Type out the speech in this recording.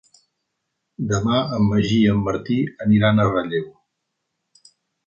Demà en Magí i en Martí aniran a Relleu.